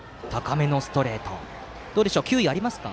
球威はありますか？